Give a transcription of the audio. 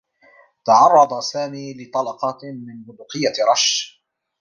تعرّض سامي لطلقات من بندقيّة رشّ.